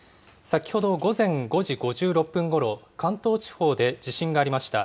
先ほど午前５時５６分ごろ、関東地方で地震がありました。